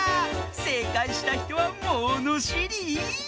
せいかいしたひとはものしり！